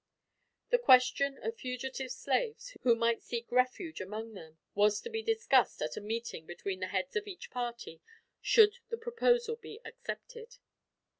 The question of fugitive slaves, who might seek refuge among them, was to be discussed at a meeting between the heads of each party, should the proposal be accepted.